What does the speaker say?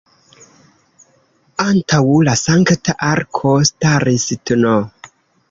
Antaŭ la Sankta Arko staris tn.